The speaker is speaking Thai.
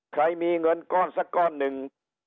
ใครมีเงินก้อนสักก้อนหนึ่ง